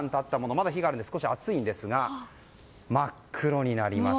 まだ火があるので熱いんですが真っ黒になります。